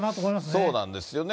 そうなんですよね。